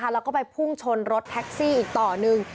แล้วก็ไปพุ่งชนรถแท็กซี่อีกต่อหนึ่ง